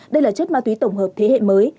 đây là chất ma túy tổng hợp thế hệ mới